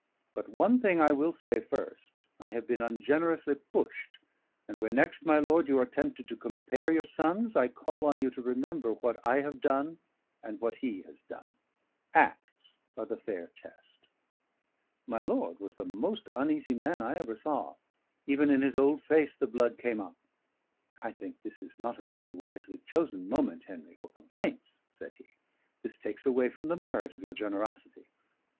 But one thing I will say first: I have been ungenerously pushed, and when next, my lord, you are tempted to compare your sons, I call on you to remember what I have done and what he has done. Acts are the fair test." My lord was the most uneasy man I ever saw; even in his old face the blood came up. "I think this is not a very wisely chosen moment, Henry, for complaints," said he. "This takes away from the merit of your generosity."